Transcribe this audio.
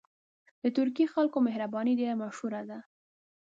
د ترکي خلکو مهرباني ډېره مشهوره ده.